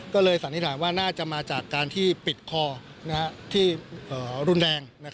ก็เลยสันนิษฐานว่าน่าจะมาจากการที่ปิดคอที่รุนแรง